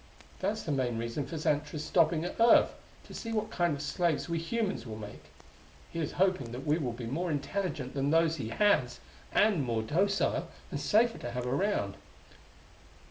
That's the main reason for Xantra's stopping at Earth: to see what kind of slaves we humans will make. He is hoping that we will be more intelligent than those he has and more docile, and safer to have around."